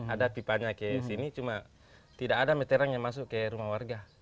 ada pipanya ke sini cuma tidak ada meteran yang masuk ke rumah warga